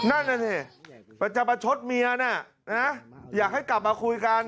นั่นน่ะสิมันจะประชดเมียน่ะนะอยากให้กลับมาคุยกัน